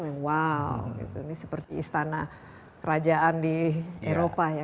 wow ini seperti istana kerajaan di eropa ya